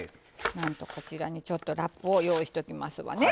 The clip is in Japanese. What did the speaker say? なんとこちらにちょっとラップを用意しときますわね。